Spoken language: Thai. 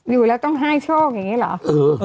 อยู่แล้วต้องให้โชคอย่างนี้เหรอ